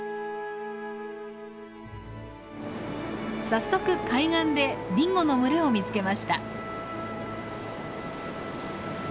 早速海岸でディンゴの群れを見つけました。